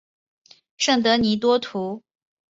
圣德尼多图。